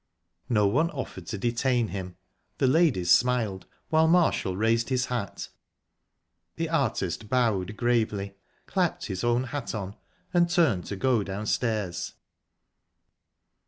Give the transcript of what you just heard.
No one offered to detain him; the ladies smiled, while Marshall raised his hat. The artist bowed gravely, clapped his own hat on and turned to go downstairs.